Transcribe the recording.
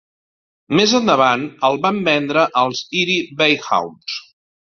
Més endavant el van vendre als Erie BayHawks.